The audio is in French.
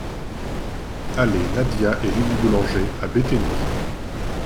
Allée Nadia et Lili Boulanger à Bétheny